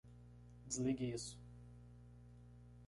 Desligue isso.